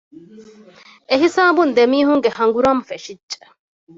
އެހިސާބުން ދެމީހުންގެ ހަނގުރާމަ ފެށިއްޖެ